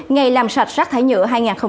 ngày làm sạch rác thải nhựa hai nghìn một mươi chín